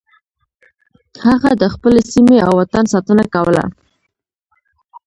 هغه د خپلې سیمې او وطن ساتنه کوله.